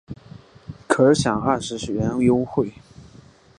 可享二十元优惠